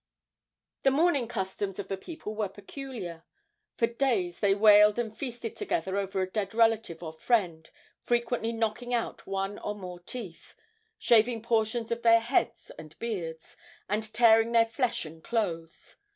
The mourning customs of the people were peculiar. For days they wailed and feasted together over a dead relative or friend, frequently knocking out one or more teeth, shaving portions of their heads and beards, and tearing their flesh and clothes.